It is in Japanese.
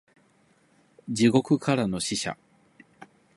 地獄からの使者